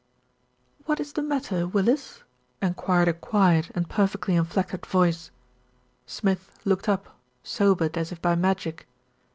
"What is the matter, Willis?" enquired a quiet and perfectly inflected voice. Srmth looked up, sobered as if by magic.